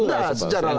nah secara langsung